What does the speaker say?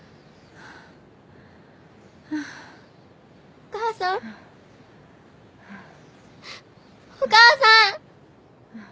お母さんお母さん！